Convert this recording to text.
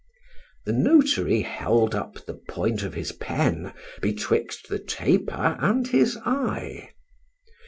—the notary held up the point of his pen betwixt the taper and his eye.